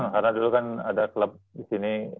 karena dulu kan ada klub di sini